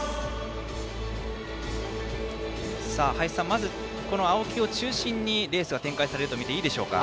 林さん、青木を中心にレースが展開されるとみていいでしょうか？